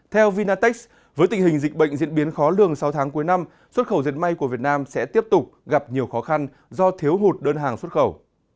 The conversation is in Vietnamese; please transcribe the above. theo vinatex với tình hình dịch bệnh diễn biến khó lường sau tháng cuối năm xuất khẩu dệt may của việt nam sẽ tiếp tục gặp nhiều khó khăn do thiếu hụt đơn hàng xuất khẩu